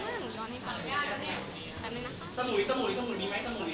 ยอดให้ปล่อยแป๊บนึงนะครับสมุยสมุยสมุยมีไหมสมุย